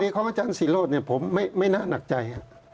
ของอาจารย์ศิโรธผมไม่น่าหนักใจ